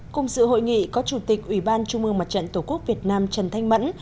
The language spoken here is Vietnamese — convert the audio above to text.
cùng sự hội nghị có chủ tịch ủy ban trung ương mặt trận tổ quốc việt nam trần thanh mẫn